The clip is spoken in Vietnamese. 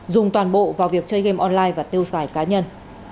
dùng toàn bộ vào việc chơi game online và tiêu xài cá nhân